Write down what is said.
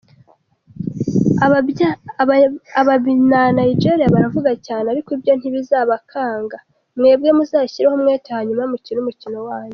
Ababyanigeria baravuga cyane ariko ibyo ntibizabakange, mwembwe muzashyireho umwete hanyuma mukine umukino wanyu.